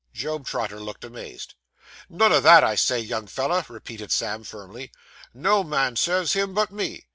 Job Trotter looked amazed. 'None o' that, I say, young feller,' repeated Sam firmly. 'No man serves him but me.